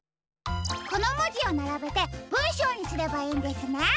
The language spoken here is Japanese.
このもじをならべてぶんしょうにすればいいんですね？